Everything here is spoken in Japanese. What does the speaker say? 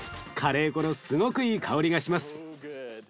カレー粉のすごくいい香りがします。